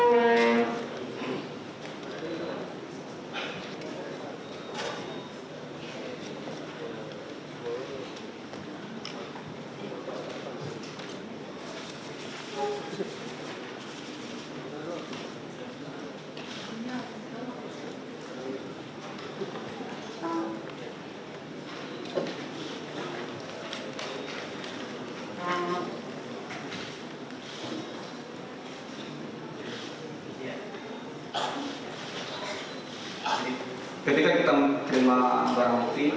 namanya penyelidikan barang bukti